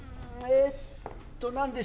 えっ？